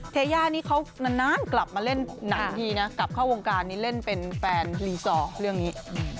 เทย่านี่เขานานกลับมาเล่นหนังทีนะกลับเข้าวงการนี้เล่นเป็นแฟนรีสอร์ทเรื่องนี้